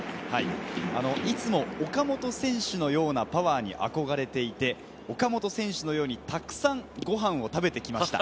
いつも岡本選手のようなパワーに憧れていて、岡本選手のようにたくさんご飯を食べてきました。